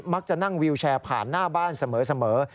มักจะนั่งวิวแชร์ผ่านหน้าบ้านเสมอ